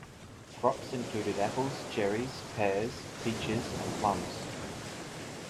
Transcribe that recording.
Crops included apples, cherries, pears, peaches and plums.